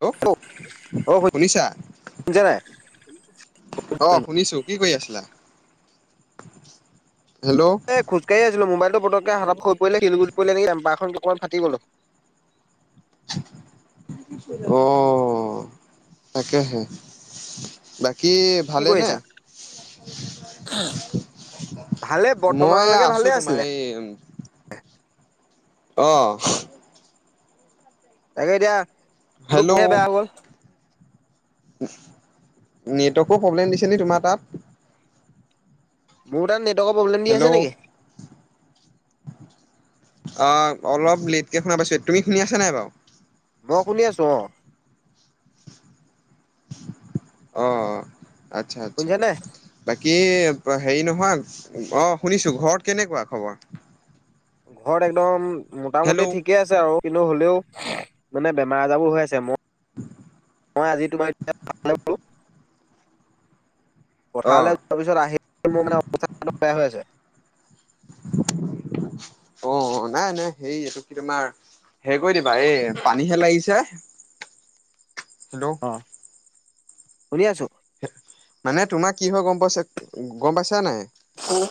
Hello অ শুনিছা? শুনিছা নাই অ' শুনিছো কি কৰি আছিলা? হেল্ল'? এই খোজকাঢ়ি আছিলোবাইলটো পটকে হাতত হৈ পৰিলে শিলগুটিত পৰিলে নেকি টেম পাৰখন অকমান ফাটি গ'ল। অ', অ, তাকেহে বাকী কি ভালেনে কৰিছা ভালে মই বৰ্তমানলৈকে আছো ভালে তোমাৰ আছিলে? এই অ', তাকে এতিয়া ফোন হেল্ল' টোহে বেয়া হ'ল। নেটৱৰ্কো প্ৰব্লেম দিছে নি তোমাৰ তাত। মোৰ তাত নেটৱৰ্কৰ প্ৰব্লেম দি হেল্ল' আছে নেকি? অ অলপ লেটকে শুনা পাইছো। তুমি শুনি আছা নাই বাৰু? মই শুনি আছো। অ', অ, আচ্ছা-আচ্ছা। শুনিছা নে বাকী হেৰি নহয় অ' শুনিছো ঘৰত কেনেকুৱা খবৰ? ঘৰত একদম মোটামুটি হেল্ল' ঠিকে আছে। ছে আৰু কিন্তু হ'লেও মানে বেমাৰ আজাৰো হৈ আছে। মোৰ মই আজি তোমাৰো অ পথাৰলে তাৰপিছত আহি মোৰ ম বেয়া হৈ আছে। [unintelligible] অ' নাই নাই হে এইটো কি তোমাৰ হে কৰি দিবা এই পানীহে লাগিছে, হেল্ল'? অ' শুনি আছো। মানে তোমাৰ কি হয় গ'ম পাইছে গ'ম পাইছা নাই? অ [unintelligible]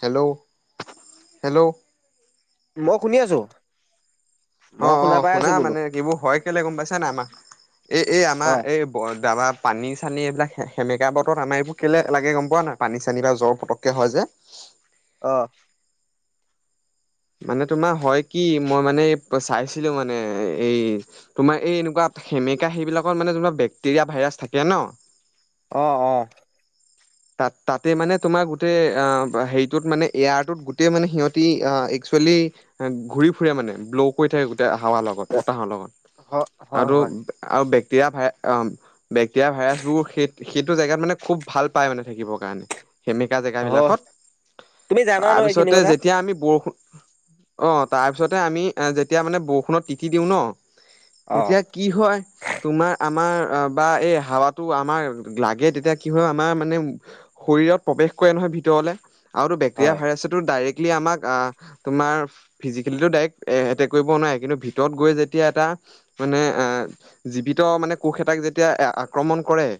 হেল্ল'? হেল্ল'? মই শুনি আছো। মই অ', অ' পাই শুনা আছো বোলো মানে কি এইবোৰ হয় কেলে গ'ম পাইছ নে? আমাক এই এই আমাৰ অ এই দাবা পানী চানী এইবিলাক সেমেকা বতৰত আমাৰ এইবোৰ কেলৈ লাগে গ'ম পোৱা নাই? পানী চানী বা জ্বৰ পতককৈ হয় যে। অ'। মানে তোমাৰ হয় কি মই মানে চাইছিলো মানে এই তোমাৰ এই এনেকুৱা সেমেকা সেইবিলাকত মানে তোমাৰ বেক্টেৰিয়া ভাইৰাছ থাকে ন। অ'। তাত তাতে মানে তোমাৰ গোটেই হেৰিটোত মানে এয়াৰটোত গোটেই মানে সিহঁতি একচুৱেলি ঘূৰি ফুৰি মানে ব্ল' কৰি থাকে গোটেই হাৱা লগত বতাহৰ লগত। হয় হয় আৰু হয় আৰু বেক্টেৰীয়া ভাই বেক্টেৰিয়া ভাইৰাছ বোৰ সেই সেইটো জেগাত মানে খুব ভাল পাই মানে থাকিবৰ কাৰণে। সেমেকা জেগ হয় বিলাকত, তুমি জানা ন এইখিনি তাৰপিছতে কথা? যেতিয়া আমি বৰষুণ অ' তাৰপিছতে আমি যেতিয়া মানে বৰষুণত টতি দিওঁ ন, অ', তেতিয়া কি হয় তোমাৰ আমাৰ বা এই হাৱাটো আমাৰ লাগে, তেতিয়া কি হয় আমাৰ ভ [unintelligible] হয়। টো ডাইৰেক্টলি আমাক তোমাৰ ফিজিকেলিো ডাইৰেক্ট এ এটেক কৰিব নোৱাৰে, কিন্তু ভিতৰত গৈ যেতিয়া এটা মানে আহ জীৱিত মানে কোষ এটাক যেতিয়া আক্ৰমণ কৰে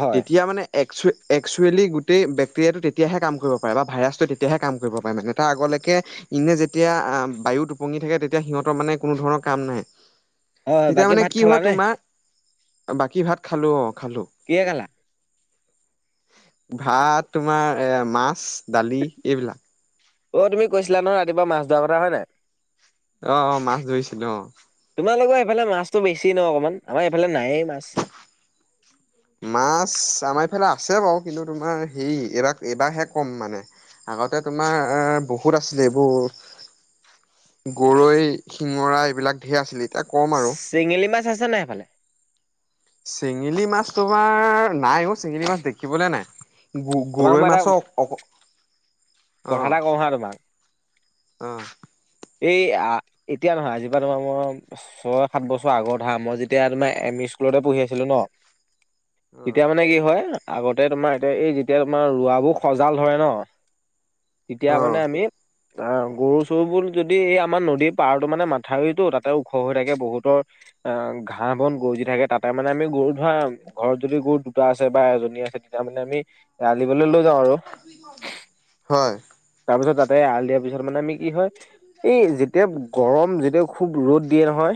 হয়, তেতিয়া মানে এক্স এক্সুৱেলি গোটেই বেক্টেৰিয়াটো তেতিয়াহে কাম কৰিব পাৰে বা ভাইৰাছটো তেতিয়াহে কাম কৰিব পাৰে মানে। তাৰ আগলৈকে ইনে যেতিয়া আহ বায়ু টোপঙি থাকে তেতিয়া সিহঁতৰ মানে কোনো ধৰণৰ কাম নাই। হয়, তেতিয়া বাকী মানে ভাত কি খালা হয় নে? তোমাৰ, বাকী ভাত খালো অ' খালো। কিহে খালা? ভাত তোমাৰ এ মাছ দালি এইবিলাক। অ' তুমি কৈছিলা ন ৰাতিপুৱা মাছ ধৰা কথা হয় নাই। অ', অ' মাছ ধৰিছিলো অ'। তোমালোকৰ এইফালে মাছতো বেছি ন অকমান, আমাৰ এইফালে নায়েই মাছ। মাছ আমাৰ এইফালে আছে বাৰু, কিন্তু তোমাৰ হেৰি এইবাৰ এবাৰহে ক'ম মানে। আগতে তোমাৰ এ বহুত আছিলে এইবোৰ। গৰৈ শিঙৰা এইবিলাক ঢেৰ আছিল, এতিয়া ক'ম আৰু। চেঙেলী মাছ আছে নাই সেইফালে? চেঙেলি মাছ তোমাৰ নাই অ' চেঙেলী মাছ দেখিবলৈ নাই। গ তোমাক গৰৈ মই এটা মাছৰ অক কথা এটা অ' কওঁ হা তোমাক, অ। এই এতিয়া নহয় আজিপা তোমাৰ মই ছয় সাত বছৰ আগৰ হা মই যেতিয়া তোমাৰ এম ই স্কুলতে পঢ়ি আছিলো ন তেতিয়া মানে কি হয় আগতে তোমাৰ এতিয়া এই যেতিয়া তোমাৰ ৰোৱাবোৰ সজাল ধৰে ন। তেতিয়া অ মানে আমি অ' গৰু চৰুবোৰ যদি এই আমাৰ নদীৰ পাৰতো মানে মাথাউৰিতো তাতে ওখ হৈ থাকে, বহুতৰ অ, ঘাঁহ বন গৰু যি থাকে তাতে মানে আমি গৰু ধোৱাঁম। ঘৰত যদি গৰু দুটা আছে বা এজনী আছে। তেতিয়া মানে আমি এৰাল দিবলৈ লৈ যাওঁ আৰু। হয় তাৰপিছত তাতে এৰাল দিয়াৰ পিছত মানে আমি কি হয়? এই যেতিয়া গৰম যেতিয়া খুব ৰ'দ দিয়ে নহয়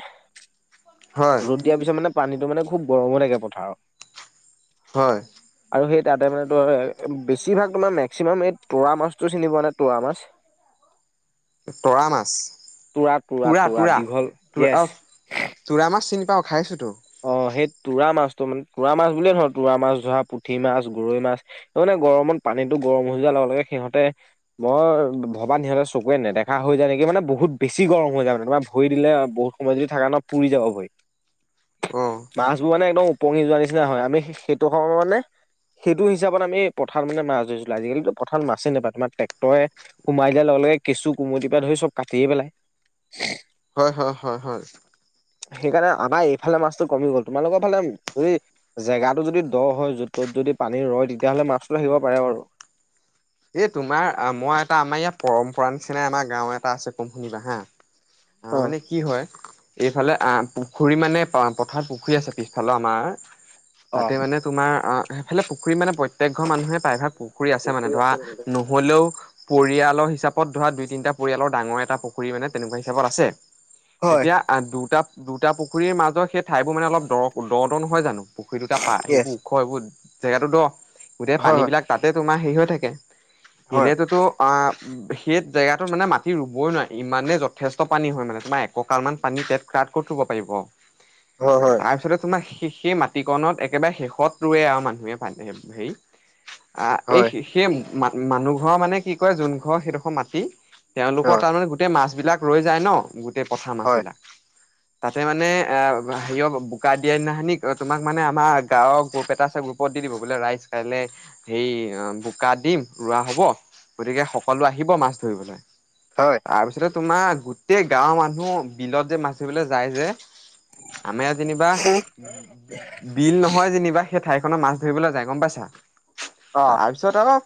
হয় ৰ'দ, দিয়াৰ পিছত মানে পানীতো মানে খুব গৰম হৈ থাকে পথাৰত। হয়। আৰু সেই তাতে মানে ত বেছিভাগ তোমাৰ মেক্সিমাম এই তুৰা মাছটো চিনি পোৱানে তুৰা মাছ। টোৰা মাছ। তোৰা তুৰা-তুৰা-তুৰা তোৰা দীঘল অ য়েছ। তোৰা মাছ চিনি পা খাইছুতো অ, সেই টোৰা মাছটো মানে টোৰা মাছ বুলিয়ে নহয় টোৰা মাছ ধৰা, পুঠি মাছ, গৰৈ মাছ। সেই মানে গৰমত পানীতটো গৰম হৈ যোৱাৰ লগে-লগে সিহঁতে মই ভবা সিহঁতেৰ চকুৰে নেদেখা হৈ যায় নেকি মানে বহুত বেছি গৰম হৈ যায় মানে তোমাৰ ভৰি দিলে বহুত, সম যদি থাক ন' পুৰি যাব ভৰি। অ', মাছবোৰ মানে একদম উপঙি যোৱা নিচিনা হয়। আমি সেইটো সময়ত মানে সেইটো হিচাপত আমি পথাৰ মানে মাছ ধৰিছিলো। আজিকালিতো পথাৰ মাছে নাপয় তোমাৰ ট্ৰেক্টৰে সোমাই দিয়াৰ লগে লগে কেঁচু কুমতিৰ পৰা ধৰি চব কাটিয়ে পেলাই। হয়-হয়-হয়-হয়। সেইকাৰণে আমাৰ এইফালে মাছটো কমি গ'ল। তোমালোকৰ ফালে যদি জেগাটো যদি দ হয় য'ত তত যদি পানী ৰয় তেতিয়াহ'লে মাছটো আহিব পাৰে আৰু। এই তোমাৰ মই এটা আমাৰ ইয়াত পৰম্পৰা নিচিননাাই আমাৰ গাঁও এটা আছে কম শুনিবা হা। আহ, অ মানে কি হয়? এইফালে আহ পুখুৰী মানে পথাৰত পুখুৰী আছে পিছফালে আমাৰ, অ'। তাতে মানে তোমাৰ অ সেইফালে পুখুৰী মানে প্ৰত্যেক ঘৰ মানুহে প্ৰায়ভাগ পুখুৰী আছে। মানে ধৰা হলেও পৰিয়ালৰ হিচাপত ধৰা দুই তিনিটা পৰিয়ালৰ ডাঙৰ এটা পুখুৰী মানে তেনেকুৱা হিচাপত আছে। হয় এতিয়া দুটা দুটা পুখুৰীৰ মাজৰ সেই ঠাইবোৰ মানে অলপ দৰ দ-দ নহয় জানো। পুখুৰী দুটা পা য়েছ সেইবোৰ ওখ সেইবোৰ জেগাটো দ গোটেই হয় পানীবিলাক তাতে তোমাৰ হেৰি হৈ থাকে। হয় এনেতোতো, সেই জেগাটোত মানে মাটি ৰুবই নোৱাৰে ইমানেই যথেষ্ট পানী হয় মানে তোমাৰ, ককালমান পানী পেট খ্ৰট কৰি থব পাৰিব। হয়-হয়। তাৰপিছতে তোমাৰ স সেই মাটিকণত একেবাৰে শেষত ৰুৱে আৰু মানুহে পান হেৰি, আ এই হয় সেই মানুহ ঘৰ মানে কি কয় যোন ঘৰ সেইডোখৰ মাটি। তেওঁলোকৰ হয় তাৰমানে গোটেই মাছবলাক ৰৈ যায় ন গোটেই পথাৰ হয় মাছবিলাক। তাতে মানে এ হেৰিয় বোকা দিয়া দিনাখানি তোমাক মানে আমাৰ গাঁওৰ গ্ৰুপ এটা আছে। গ্ৰুপ গ্ৰুপৰত দি দিব বোলে ৰাইজ কাইলে হে বোকাত, দিম ৰোৱা হ'ব গতিকে সকলো আহিব মাছ ধৰিবলে। হয়। তাৰপিছতে তোমাৰ গোটেই গাঁওঁৰ মানুহ বিলত যে মাচবলে যায় যে, আমাৰ যেনিবা বিল নহয় যেনিবা সেই ঠাই খত মাছ ধৰিবলৈ যায় গম পাইছা অ তাৰপিছত, পিছত আৰু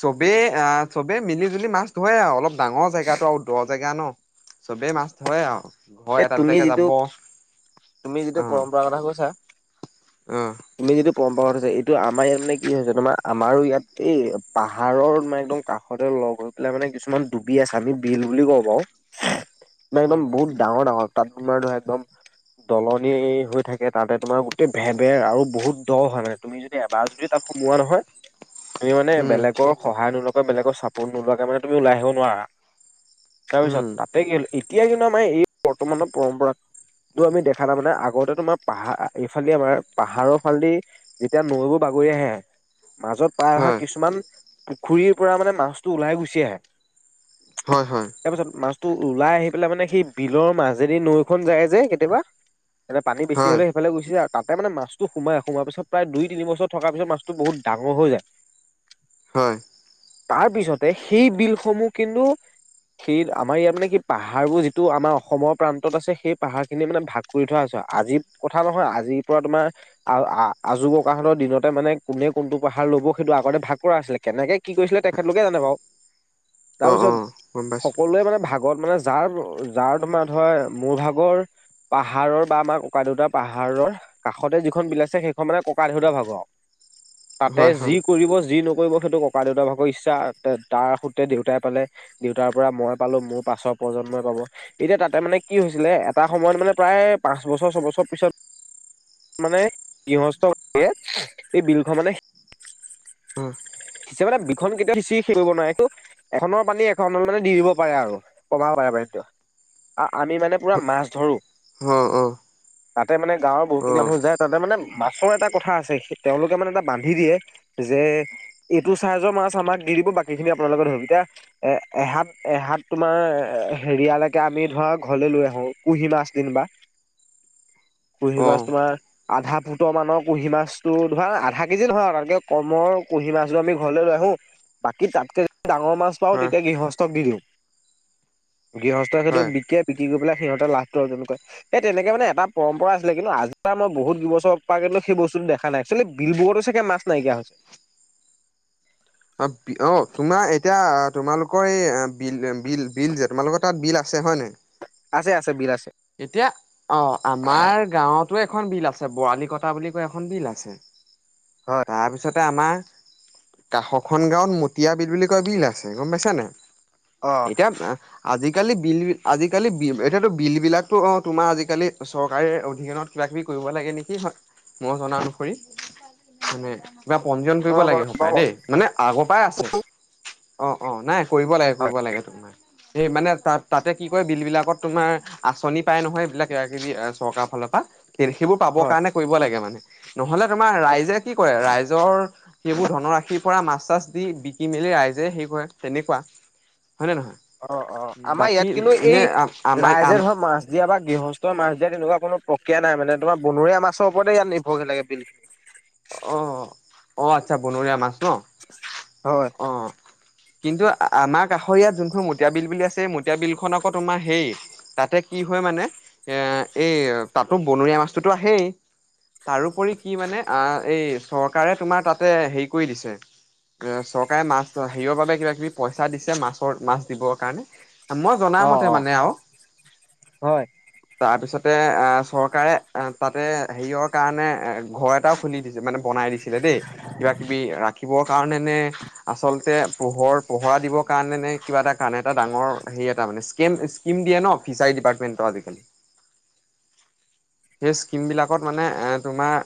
চবেই অ, চবেই মিলি জুলি মাছ ধৰে আৰু অলপ ডাঙৰ জেগাতটো আৰু দ জেগা ন। চবেই মাছ হয় আৰু। ঘৰ এই এটা তুমি দুটাকে যিটো যাব অ তুমি যিটো পৰম্পৰা কথা কৈছা। অ তুমি যিটো পৰম্পৰাগত আছে এইটো আমাৰ ইয়াত মানে কি হৈছে তোমাৰ আমাৰ ইয়াত এই পাহাৰৰ মে একদম কাষতে লগ হৈ পেলাই মানে কিছুমান ডুবি আছে আমি বিল বুলি ক'ব পাৰো। মে একদম উম, বহুত ডাঙৰ ডাঙৰ তাত তোমাৰ ধৰা একদম দলনি হৈ থাকে তাতে তোমাৰ গোটেই ভেৰ ভেৰ আৰু বহুত দ হয় তুমি যদি এবাৰ যদি তাত সোমোৱা নহয় তুমি মানে উম, বেলেগৰ সহায় নোলোৱাকৈ বেলেগৰ চাপোৰ্ট নোলোৱাকৈ মানে তুমি ওলাই আহিব নোৱাৰা। তাৰপিছত উম, তাতে কি হ'ল এতিয়া কিন্তু আমাৰ এই বৰ্তমানৰ পৰম্পৰা টো আমি দেখা নাই, মানে আগতে তোমাৰ পাহাৰ এইফালে আমাৰ পাহাৰৰ ফালেদি যেতিয়া নৈবোৰ বাগৰি আহে, মাজত পাই অহা হয়, কিছুমান পুখুৰীৰ পৰা মানে মাছটো ওলাই গুচি আহে। হয়, হয়। তাৰপিছত মাছটো ওলাই আহি পেলাই মানে সেই বিলৰ মাাজেদি নৈখন যায় যে কেতিয়াবা এনেই পানী বেছি হয়, হ'লে ইফালে গুছি যায় আৰু তাতে মানে মাছটো সোমাই, সোমাৱাৰ পিছত প্ৰায় দুই তিনিছৰ থকাৰ পিছত মছত বহুত ডাঙৰ হৈ যায়। [inaudible] হয়। তাৰ পিছতে সেই বিলসমূহ কিন্তু সি আমাৰ ইয়াত মানে কি পাহাৰবোৰ যি টো আমাৰ অসমৰ প্ৰান্তত আছে, সেই পাহাৰ খিনিয়ে মানে ভাগ কৰি থোৱা হৈছে। আজিৰ কথা নহয় আজিৰ পৰা তোমাৰ আৰু আজু ককাহতৰ দিনতে মানে কোনে কোনটো পাহাৰ লব সেইটো আগতে ভাগ কৰা আছিলে। কেনেকে কি কৰিছিলে তেখেতলোকে জানে বাৰু। অ', তাৰপিছত অ', গম পাইছোঁ, সকলোৱে মানে ভ গত মানে যাৰ যাৰ তোমাৰ ধ মোৰ ভাগৰ পাহাৰৰ বা আমাৰ ককা দেউতা পাহাৰৰ কাষতে যিখন বিল আছে সেইখন মানে ককা দেউতা ভাগৰ আৰু। তাতে হয়, যি হয়, কৰিব যি নকৰিব সেইটো ককা দেউতাৰ ভাগৰ ইচ্ছা, তাৰ সুত্ৰে দেউতাই পালে। দেউতাৰ পৰা মই পালো মোৰ পাছৰ প্ৰজন্মই পাব এতিয়া তাতে মানে কি হৈছিলে, এটা সময়ত মানে প্ৰায় পাঁচ বছৰ ছয়বছৰ পিছত মানে গৃহস্থ এই বিলখন মানে অ'। সিচি মানে বিলখন কেতিয়া সিচি শেষ কৰিব নোৱাৰেটো এখনৰ পানী এখনত মানে দি দিব পাৰে আৰু, কমাব পাৰে পানীতো। আ আমি মানে পুৰা মাছ ধৰোঁ, অ', অ', তাতে মানে গাঁৱৰ বহুখিনি অ', মানুহ যায় তাতে মানে মাছৰ এটা কথা আছে, তেওঁলোকে মানে এটা বান্ধি দিয়ে যে এইটো চাইজৰ মাছ আমাক দি দিব, বাকীখিনি আপোনালোকে ধৰিব। এতিয়া এ এহাত এহাত তোমাৰ হেৰিয়ালৈকে আমি ধৰা ঘৰলে লৈ আহো কুঁহি মাছ দিন বা কুঁহিমাছ অ', তোমাৰ আধা ফুটৰ মানৰ কুঁহি মাছটো ধৰা আধা কেজি নহয় তাতকে কমৰ কুঁহি মাছটো আমি ঘৰলৈ লৈ আহো বাকী তাতকে য ডাঙৰ মাছ পাওঁ হয়, তেতিয়া গৃহস্থক দি দিওঁ। গৃহস্থই সেইতো হয়। বিকে বিক্ৰি কৰি পেলাই সিহঁতে লাভটো যেনেকৈ, এই তেনেকে মানে এটাৰম্পৰা আছিলে। কিন্তু আজি পা মই বহুত বছৰ পা কিন্তু সেই বস্তুতো দেখা নাই বিল বোৰতো চাগে মাছ নাইকিয়া হৈছে। অঁ, অঁ তোমাৰ এতিয়া তোমালোকৰ এই বিল বিল বিল যে তোমালোকৰ তাত বিল আছে হয়নে? আছে, আছে বিল আছে। এতিয়া অ' আমাৰ গাঁৱত টো এখন বিল আছে বৰালি কটা বুলি কৈ এখন বিল আছে। হয় তাৰপিছত তা আমাৰ কাষখন গাঁৱত মতিয়া বিল বুলি কয় বিল আছে গ'ম পাইছানে? অ এতিয়া আজিকালি বিল আজিকালি বি এতিয়াতো বিল বিলাক টো অ' তোমাৰ আজিকালি চৰকাৰৰ অধীনত কিবা কিবি কৰিব লাগে নেকি? হয় মই জনা অনুসৰি। মানে কিবা পঞ্জীয়ন অ কৰিব গম লাগে হ'ব পাওঁ পায় বাৰু দেই মানে আগৰ পৰাই আছে। অ' অ' নাই কৰিব লাগে কৰিব হয় লাগে, তোমাৰ মানে তাতে কি কয় বিল বিলাকত আচনি পাই নহয় এইবিলাক কিব কিবি চৰকাৰৰ ফালৰ পৰা, সেইবোৰ পাবৰ হয়। কাৰণে কৰিব লাগে মানে। নহলে তোমাৰ ৰাইজে কি কৰে ৰাইজৰ। সেইবোৰ ধনৰাশিৰ পৰা মাছ চাছ দি বিকি মেলি ৰাইজে হে কৰে তেনেকুৱা হয়নে নহয়। অ', অ', আমাৰ বাকী ইয়াত কিন্তু এই এনে আমাৰ ৰাইজে আম ধৰ মাছ কেতিয়া গৃহস্থ মাছ দিয়া তেনেকুৱা কোনো প্ৰক্ৰিয়া নাই মানে তোমাৰ বনৰীয়া মাছৰ ওপৰতে ইয়াত নিৰ্ভৰশীল লাগে বিল খিন। অ', অ', আচ্ছা বনৰীয়া মাছ ন। হয়, হয়। অ কিন্তু আমাৰ কাষৰ ইয়াত যোনখনৰ মোটীয়া বিল বুলি আছে এই মোটীয়া বিলখন আকৌ তোমাৰ হেই তাতে কি হয় মানে এই তাতো বনৰীয়া মাছটোতো আহেই। তাৰোপৰি কি মানে এই চৰকাৰে তোমাৰ তাতে হেৰি কৰি দিছে। চৰকাৰে মাছ হেৰিয়ৰ বাবে কিবাাকিবি পইচা দিছে মাছৰ মাছ দিবৰ কাৰণে। মই অ জনামতে অ মানে আৰু। হয় তাৰ পিছতে আহ চৰকাৰে তাতে হেৰিয়ৰ কাৰণে এ ঘৰত এটাও খুলি দিছিল মানে বনাই দিছিলে দেই কিবা কিবি ৰাখিবৰ কাৰণে নে আচলতে পোহৰ পোহৰা দিবৰ কাৰণে নে কিবা এটা কাৰণে এটা ডাঙৰ হেৰি এটা মানে স্কেম স্কিম দিয়ে ন ফিচাৰী ডিপামেৰ্টেণ্টৰ আজিকালি। [unintelligible] সেই স্কিমবিলাকত মানে তোমাৰ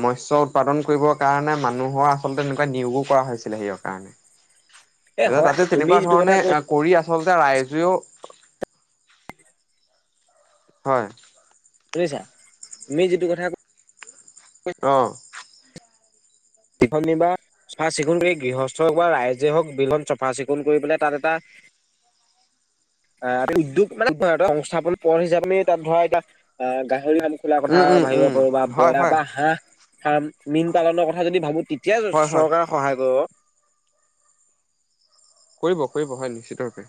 মৎস্য উৎপাদন কৰিবৰ কাৰণে মানুহৰ আচলতে তেনেকুৱা নিয়োগো কৰা হৈছিলে সেইৰ কাৰণে। [unintelligible] এ তাতে তুমি তেনেকুৱা যিটো কথা ধৰণে কৈছা কৰি আচলতে ৰাইজেও হয়। শুনিছাঁ তুমি যিটো কথা ক অ'। চিফ নিবা চাফা চিকুণ কৰি গৃহস্থ হওক বা ৰাইজে হওক বিলখন চাফা চিকুণ কৰি পেলাই তাত এটা [inaudible] আহ ত উদ্যোগ মানে সংস্থাপন পথ হিচাপে তাত ধৰা এটা আহ গাহৰি তলা কথা উম উম ভাবিব উম পাৰো বা হয় বয়া হয় বা হাঁহ ফাৰ্ম মীন পালনৰ কথা যদি ভাবোঁ এতিয়া হয় হয় চৰকাৰে সহায় কৰিব। কৰিব কৰিব হয় নিশ্চিতৰূপে।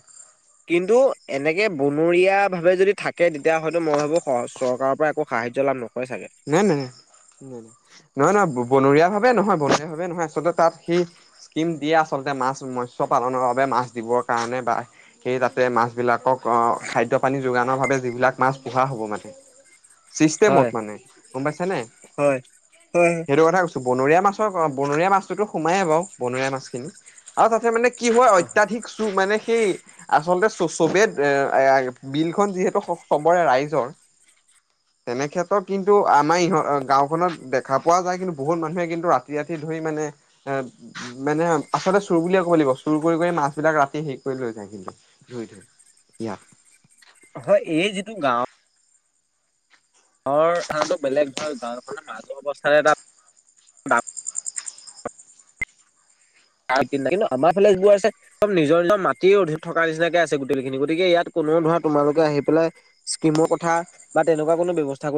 কিন্তু এনেকে বনৰীয়াভাৱে যদি থাকে তেতিয়া হয়তো মই ভাবোঁ চৰকাৰৰ পৰা একো সাহায্য লাভ নকৰোঁ। হয় চাগে। নাই, নাই, নাই, নাই, নাই নহয়, নহয় বনৰীয়া ভাৱে নহয় বনৰীয়া ভাৱে নহয় আচলতে তাত সি স্কিম দিয়ে আচলতে মাছ মৎস্য পালনৰ বাবে মাছ দিবৰ কাৰণে বা সেই তাতে মাছবিলাকক অ', খাদ্য পানী যোগানৰ বাবে যিবিলাক মাছ পোহা হ'ব মানে ছিষ্টেমত হয় মানে গ'ম পাইছ নে হয় হয় সেইটো কথা ত বনৰীয়া মাছৰ বনৰীয়া মাছটোতো সোমায়েই বাৰ বীয়া মাছখিনি আৰু তাতে মানে কি হয় অত্যাধিক চু মানে সেই আচলতে চবে এ বিলখন যিহেতু চবৰে ৰাইজৰ তেনেক্ষেত্ৰত কিন্তু আমাৰ ইহঁ গাঁওখনত দেখা পোৱা যায় কিন্তু বহুত মানুহে কিন্তু ৰাতি ৰাতি ধৰি মানে অ'। উ মানে আচলতে চুৰ বুলিয়ে ক'ব লাগিব চুৰ কৰি কৰি মাছ বিলাক ৰাতি শেষ কৰি লৈ যায় কিন্তু ধুই ধুই। য়া [inaudible] হয় এই যিটো গাঁওত। গাঁৱৰ থানাতো বেলেগ ভাল গাঁৱৰ কাৰানে মাজৰ অৱস্থাৰে এটা কিন্ত আমাৰ ফালে এইবোৰ আছে চব নিজৰ নিজৰ মাটি থকা নিচিনাকে আ গুটেখিনি গতিকে ইয়াত কোনেও ধৰা তোমালোকে আহি পেলাই স্কিমৰ কথা বা তেনেকুৱা কোনো ব্যৱস্থা কৰি